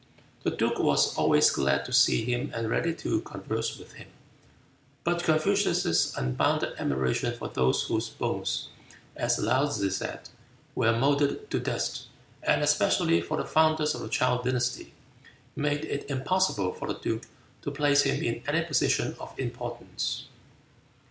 The duke was always glad to see him and ready to converse with him; but Confucius's unbounded admiration for those whose bones, as Laou tsze said, were mouldered to dust, and especially for the founders of the Chow dynasty, made it impossible for the duke to place him in any position of importance.